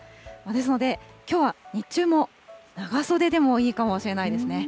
ですので、きょうは日中も長袖でもいいかもしれないですね。